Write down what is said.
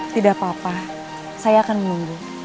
tidak apa apa saya akan menunggu